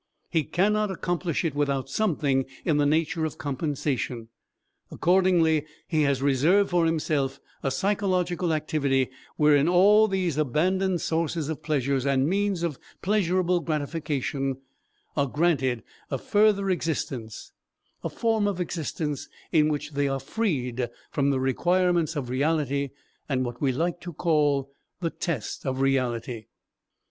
He cannot accomplish it without something in the nature of compensation. Accordingly he has reserved for himself a psychological activity wherein all these abandoned sources of pleasures and means of pleasurable gratification are granted a further existence, a form of existence in which they are freed from the requirements of reality and what we like to call the test of reality.